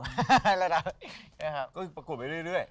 ก็คือปรากวดไปเรื่อย